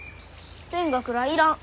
勉学らあいらん。